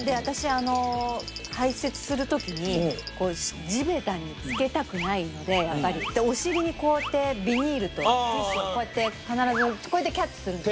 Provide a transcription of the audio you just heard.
あの排せつするときにこう地べたにつけたくないのではいお尻にこうやってビニールとティッシュをこうやって必ずこうやってキャッチするんです